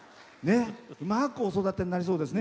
うまくお育てになりそうですね